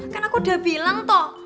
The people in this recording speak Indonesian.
kan aku udah bilang toh